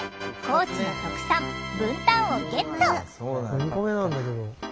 高知の特産文旦をゲット！